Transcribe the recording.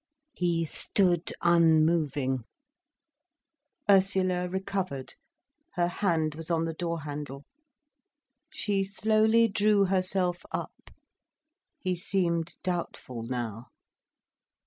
He stood unmoving. Ursula recovered, her hand was on the door handle. She slowly drew herself up. He seemed doubtful now.